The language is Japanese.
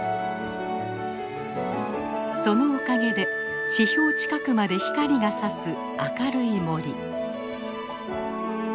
そのおかげで地表近くまで光がさす明るい森。